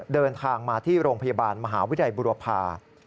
เดินทางมาที่โรงพยาบาลมหาวิทยาลัยบุรพา